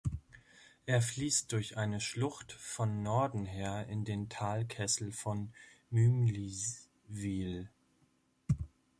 Er fliesst durch eine Schlucht von Norden her in den Talkessel von Mümliswil.